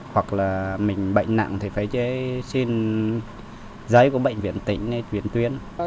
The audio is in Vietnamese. hoặc là mình bệnh nặng thì phải chế xin giấy của bệnh viện tỉnh chuyển tuyến